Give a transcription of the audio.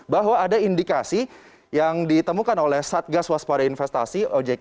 bahwa ada indikasi yang ditemukan oleh satgas waspada investasi ojk